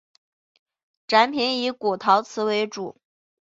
展品以古陶瓷为主。